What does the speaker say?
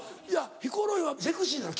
ヒコロヒーはセクシーなの？